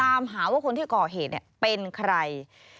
ตามหาว่าคนที่ก่อเหตุเป็นใคร